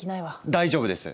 大丈夫です！